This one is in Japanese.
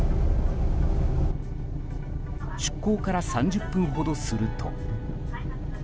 出航から３０分ほどすると。